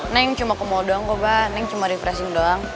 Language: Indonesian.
neng cuma ke mall doang kok pak neng cuma refreshing doang